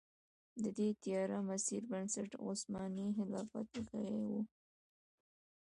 د دې تیاره مسیر بنسټ عثماني خلافت ایښی و.